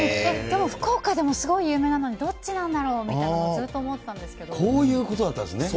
でも福岡でもすごい有名なのに、どっちなんだろうみたいなのこういうことだったんですね。